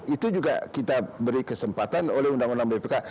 itu juga kita beri kesempatan oleh undang undang bpk